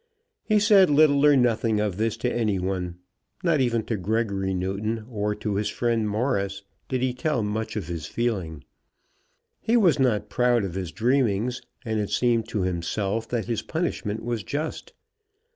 He said little or nothing of this to any one. Not even to Gregory Newton or to his friend Morris did he tell much of his feeling. He was not proud of his dreamings, and it seemed to himself that his punishment was just.